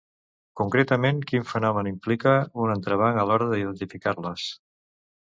Concretament, quin fenomen implica un entrebanc a l'hora d'identificar-les?